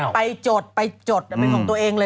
จดไปจดเป็นของตัวเองเลย